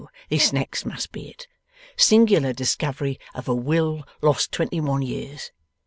This next must be it. "Singular discovery of a will, lost twenty one years."